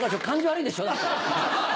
感じ悪いでしょ？